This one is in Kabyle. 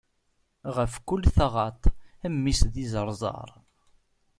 Ɣef kul taɣaṭ, mmi-s d izeṛzeṛ.